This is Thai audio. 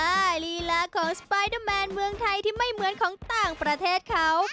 ทรีระของสปไตเดอร์แมนเมืองไทยมีล๊ะของต่างประเทศเขา